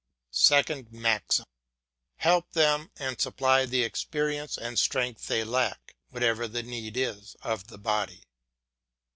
SECOND MAXIM. Help them and supply the experience and strength they lack whenever the need is of the body.